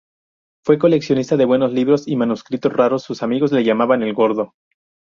Fue coleccionista de buenos libros y manuscritos raros, sus amigos le llamaban "el Gordo".